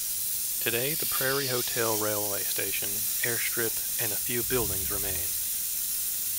Today, the Prairie Hotel, railway station, airstrip and a few buildings remain.